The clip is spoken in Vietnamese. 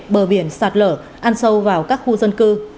bờ biển sạt lở ăn sâu vào các khu dân cư